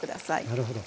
なるほど。